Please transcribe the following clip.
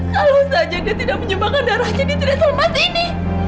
kalau saja dia tidak menyebabkan darah jadi tidak selama ini